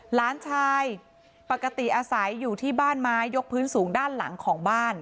หลานชายปกติอาศัยอยู่ที่บ้านไม้ยกพื้นสูงด้านหลังของบ้าน